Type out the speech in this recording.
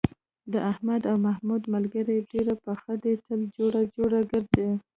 د احمد او محمود ملگري ډېره پخه ده، تل جوړه جوړه گرځي.